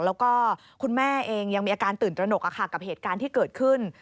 แล้วก็คุณแม่เองยังมีอาการตื่นตระหนกกับเหตุการณ์ที่เกิดขึ้น